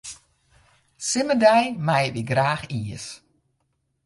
Simmerdei meie wy graach iis.